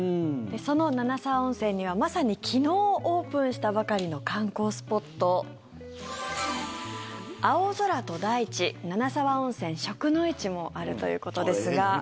その七沢温泉にはまさに昨日オープンしたばかりの観光スポット青空と大地七沢温泉食の市もあるということですが。